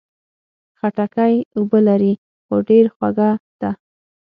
خټکی اوبه لري، خو ډېر خوږه ده.